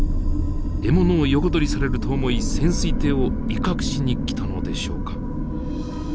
獲物を横取りされると思い潜水艇を威嚇しに来たのでしょうか。